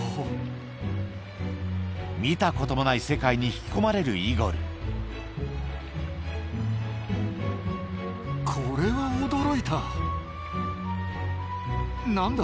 見たこともない世界に引き込まれるイゴル何だ？